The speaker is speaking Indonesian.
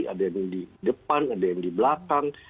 ada yang di depan ada yang di belakang